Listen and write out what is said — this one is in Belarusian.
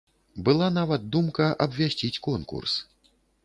Была нават думка абвясціць конкурс.